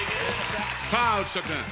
さあ浮所君。